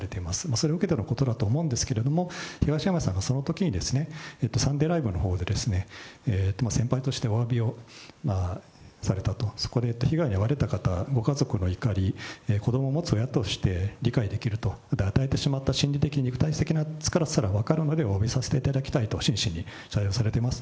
それを受けてのことだと思うんですけれども、東山さんがそのときに、サンデーライブのほうで、先輩としておわびをされたと、そこで被害に遭われた方、ご家族の怒り、子どもを持つ親として理解できると、与えてしまった心理的、肉体的なつらさは分かるので、おわびさせていただきたいと真摯に対応されています。